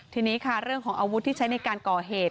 ทีนี้ค่ะเรื่องของอาวุธที่ใช้ในการก่อเหตุ